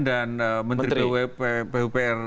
dan menteri pupr